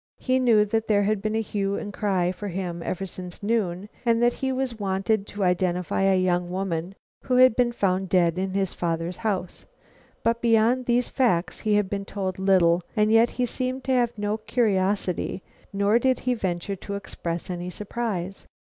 He knew that there had been a hue and cry for him ever since noon, and that he was wanted to identify a young woman who had been found dead in his father's house, but beyond these facts he had been told little, and yet he seemed to have no curiosity nor did he venture to express any surprise.